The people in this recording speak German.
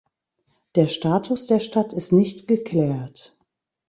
Der Status der Stadt ist nicht geklärt.